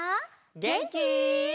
げんき？